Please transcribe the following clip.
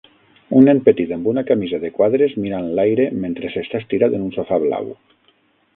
Un nen petit amb una camisa de quadres mira enlaire mentre s'està estirat en un sofà blau